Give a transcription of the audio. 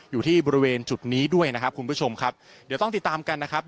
อยู่ที่บริเวณจุดนี้ด้วยนะครับคุณผู้ชมครับเดี๋ยวต้องติดตามกันนะครับ